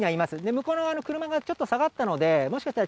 向こうの車が、ちょっと下がったので、もしかしたら、